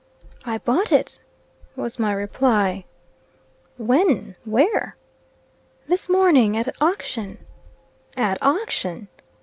"I bought it," was my reply. "When? where?" "This morning, at auction." "At auction!"